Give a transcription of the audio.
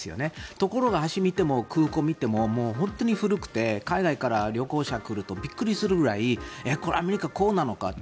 ところが橋を見ても空港を見ても本当に古くて海外から旅行者が来るとびっくりするぐらいこうなのかと。